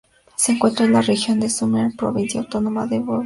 Se encuentra en la región de Sirmia, en la Provincia Autónoma de Voivodina.